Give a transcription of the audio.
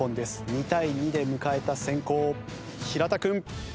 ２対２で迎えた先攻平田君。